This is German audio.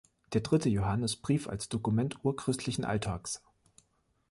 Der dritte Johannesbrief als Dokument urchristlichen Alltags“.